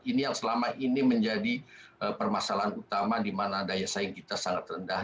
ini yang selama ini menjadi permasalahan utama di mana daya saing kita sangat rendah